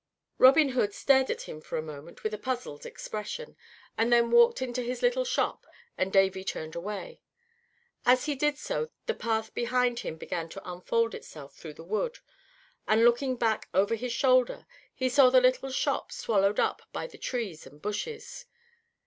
Robin Hood stared at him for a moment with a puzzled expression, and then walked into his little shop, and Davy turned away. As he did so the path behind him began to unfold itself through the wood, and, looking back over his shoulder, he saw the little shop swallowed up by the trees and bushes.